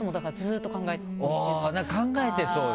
考えてそうだね。